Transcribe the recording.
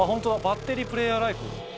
バッテリープレイヤーライフ